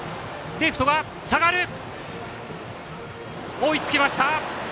追いつきました！